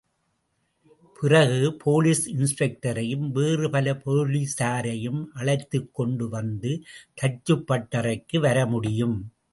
பிறகு, போலீஸ் இன்ஸ்பெக்டரையும் வேறு பல போலீசாரையும் அழைத்துக்கொண்டு வந்து தச்சுப் பட்டறைக்கு வரமுடியும்.